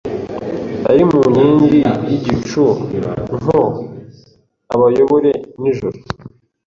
ari mu nkingi y’igicu ngo abayobore nijoro